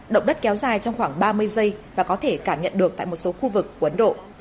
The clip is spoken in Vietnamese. động đất kéo dài trong khoảng ba mươi giây và có thể cảm nhận được tại một số khu vực của ấn độ